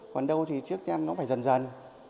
còn đâu thì trước tiên nó phải dần dần